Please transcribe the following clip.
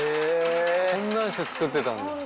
こんなんして作ってたんだ。